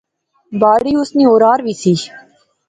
باڑی اس نی اورار وی سی